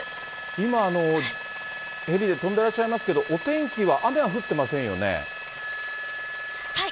今、ヘリで飛んでらっしゃいますけれども、お天気は、雨は降ってませはい。